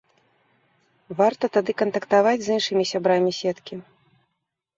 Варта тады кантактаваць з іншымі сябрамі сеткі.